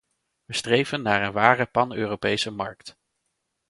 We streven naar een ware pan-Europese markt.